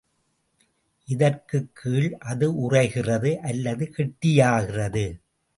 இதற்குக் கீழ் அது உறைகிறது அல்லது கெட்டியாகிறது.